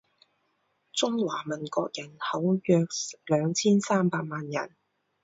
中华民国人口约二千三百万人